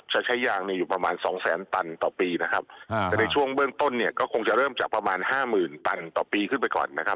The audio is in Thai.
จะใช้ยางเนี่ยอยู่ประมาณสองแสนตันต่อปีนะครับแต่ในช่วงเบื้องต้นเนี่ยก็คงจะเริ่มจากประมาณห้าหมื่นตันต่อปีขึ้นไปก่อนนะครับ